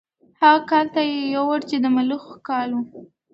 هغه کال ته یې یوړ چې د ملخو کال و.